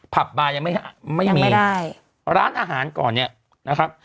ผับบาลยังไม่มีร้านอาหารก่อนเนี่ยนะครับ